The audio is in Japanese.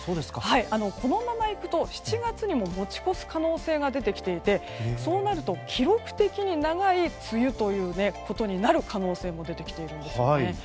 このままいくと、７月にも持ち越す可能性が出ていて出てきていて、そうなると記録的に長い梅雨となる可能性も出てきているんです。